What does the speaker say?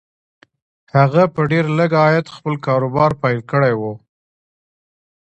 هغه په ډېر لږ عاید خپل کاروبار پیل کړی و